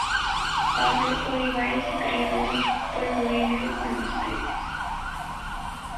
Pablo Olivares se crió en Los Polvorines, Buenos Aires.